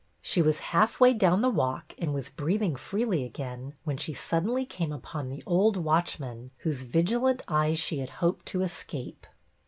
She was half way down the walk, and was breathing freely again, when she suddenly came upon the old watchman, whose vigilant eyes she had hoped to escape.